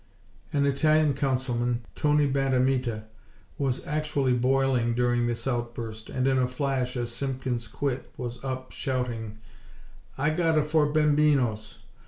An Italian Councilman, Tony Bandamita, was actually boiling during this outburst; and, in a flash, as Simpkins quit, was up, shouting: "I gotta four bambinos.